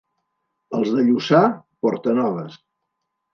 Els de Lluçà, portanoves.